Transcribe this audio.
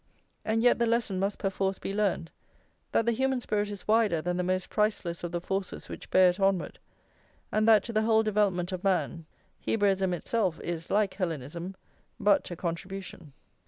And yet the lesson must perforce be learned, that the human spirit is wider than the most priceless of the forces which bear it onward, and that to the whole development of man Hebraism itself is, like Hellenism, but a contribution.